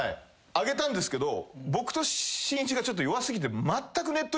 あげたんですけど僕としんいちが弱すぎて。